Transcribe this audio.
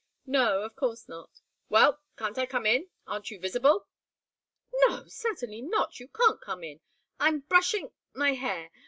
"No of course not." "Well can't I come in? Aren't you visible?" "No. Certainly not. You can't come in. I'm brushing my hair.